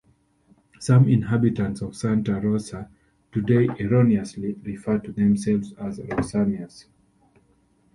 Some inhabitants of Santa Rosa today erroneously refer to themselves as "Rosanians".